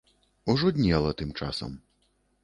Ужо днела тым часам.